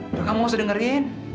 udah kamu nggak usah dengerin